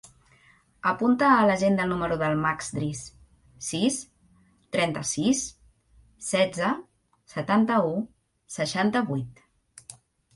Apunta a l'agenda el número del Max Dris: sis, trenta-sis, setze, setanta-u, seixanta-vuit.